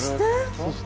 そして？